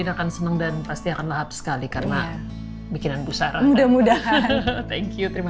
akan senang dan pasti akan lahap sekali karena bikinan busara mudah mudahan thank you terima